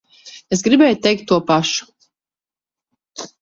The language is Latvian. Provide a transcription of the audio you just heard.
Es gribēju teikt to pašu.